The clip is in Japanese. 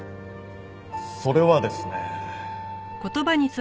それはですね。